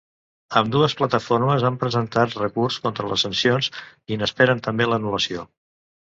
Ambdues plataformes han presentat recurs contra les sancions i n’esperen també l’anul·lació.